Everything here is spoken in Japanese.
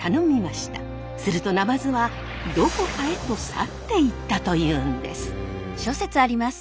すると鯰はどこかへと去っていったというんです。